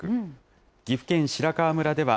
岐阜県白川村では、